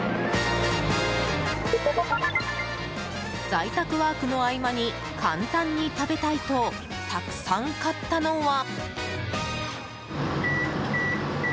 在宅ワークの合間に簡単に食べたいとたくさん買ったのは。